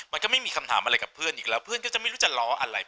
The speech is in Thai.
มันก็ไม่มีคำถามอะไรกับเพื่อนอีกแล้วเพื่อนก็จะไม่รู้จะล้ออะไร